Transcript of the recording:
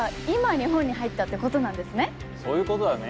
じゃあそういうことだね。